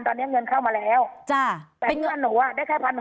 ตอนนี้เงินเข้ามาแล้วจ้ะแต่เงินหนูอ่ะได้แค่พันห